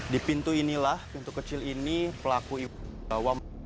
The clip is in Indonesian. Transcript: di pintu inilah pintu kecil ini pelaku ibu bawa